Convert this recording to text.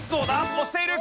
押している。